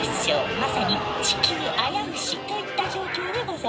まさに地球あやうしといった状況でござあます。